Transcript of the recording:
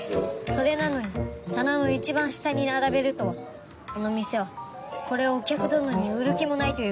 それなのに棚の一番下に並べるとはこの店はこれをお客どのに売る気もないという。